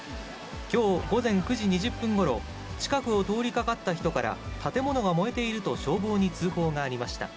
きょう午前９時２０分ごろ、近くを通りかかった人から建物が燃えていると、消防に通報がありました。